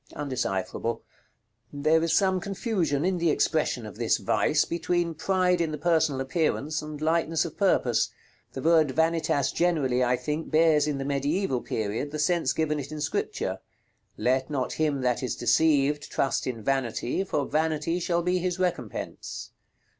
Undecipherable. There is some confusion in the expression of this vice, between pride in the personal appearance and lightness of purpose. The word Vanitas generally, I think, bears, in the mediæval period, the sense given it in Scripture. "Let not him that is deceived trust in Vanity, for Vanity shall be his recompense."